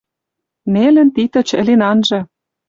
Нелӹн Титыч ӹлен ажны.